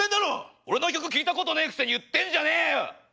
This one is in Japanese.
俺の曲聴いたことねえくせに言ってんじゃねえよ。